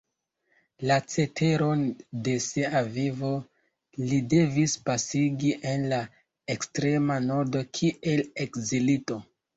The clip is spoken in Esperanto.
La ceteron de sia vivo li devis pasigi en la ekstrema Nordo kiel ekzilito.